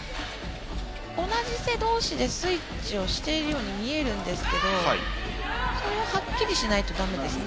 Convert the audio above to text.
スイッチをしているように見えるんですけどそれもはっきりしないと駄目ですね。